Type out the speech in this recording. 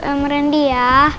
om rendi ya